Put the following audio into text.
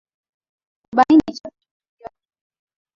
kubaini chanzo cha tukio hilo